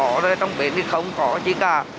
nó có rồi trong bến thì không có chứ cả